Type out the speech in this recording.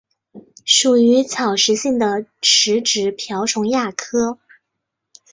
属于草食性的食植瓢虫亚科。